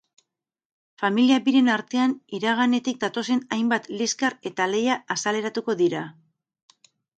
Familia biren artean iraganetik datozen hainbat liskar eta lehia azaleratuko dira.